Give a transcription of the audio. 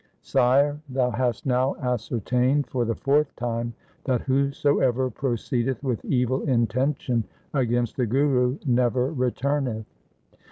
' Sire, thou hast now ascertained for the fourth time that whosoever proceedeth with evil intention against the Guru, never returneth.